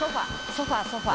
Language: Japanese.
ソファソファ」